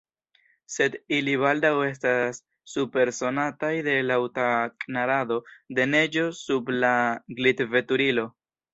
Sed ili baldaŭ estas supersonataj de laŭta knarado de neĝo sub la glitveturilo.